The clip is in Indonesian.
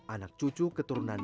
anak cucu keturunan